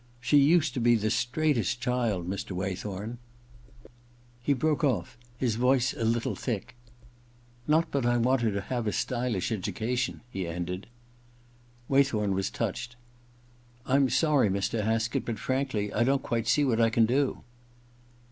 She used to be the straightest child, Mr. Waythorn ' He broke oflF, his voice a little thick. •Not but what I want her to have a stylish education,' he ended. Waythorn was touched. •I'm sorry, Mr. Haskett ; but frankly, I don't quite see what I can do.'